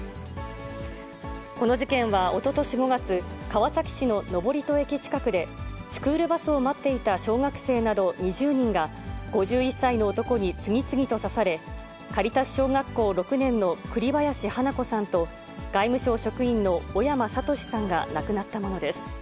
この事件はおととし５月、川崎市の登戸駅近くで、スクールバスを待っていた小学生など２０人が、５１歳の男に次々と刺され、カリタス小学校６年の栗林華子さんと、外務省職員の小山智史さんが亡くなったものです。